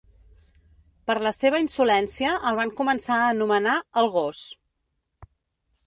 Per la seva insolència el van començar a anomenar "el gos".